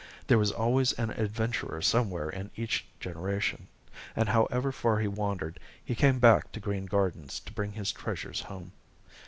There was always an adventurer somewhere in each generation and however far he wandered, he came back to Green Gardens to bring his treasures home.